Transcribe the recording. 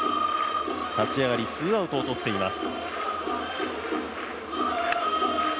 立ち上がりツーアウトをとっています。